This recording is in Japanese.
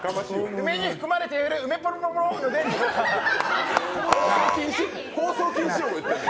梅に含まれている梅ポリポリ放送禁止用語言ってるの？